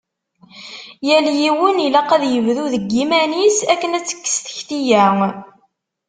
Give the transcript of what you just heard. Yal yiwen ilaq ad ibdu deg yiman-is akken ad tekkes tikti-ya.